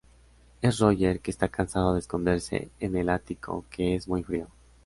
Es Roger, que está cansado de esconderse en el ático, que es muy frío.